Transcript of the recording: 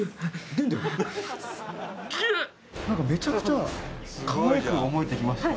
何かめちゃくちゃかわいく思えてきました